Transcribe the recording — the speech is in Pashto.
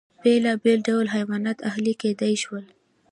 بېلابېل ډول حیوانات اهلي کېدای شول.